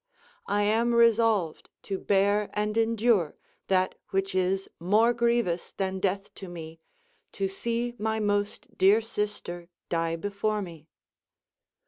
I am resolved to bear and endure that which is more grievous than death to me, to see my most dear sister die before me.